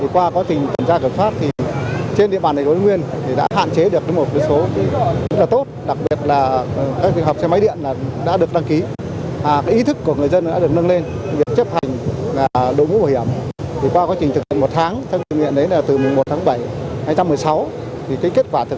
qua quá trình kiểm tra cẩn pháp trên địa bản này của nguyên đã hạn chế được một số rất là tốt đặc biệt là các trường hợp xe máy điện đã được đăng ký